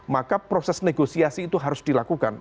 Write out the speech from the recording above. maka proses negosiasi itu harus dilakukan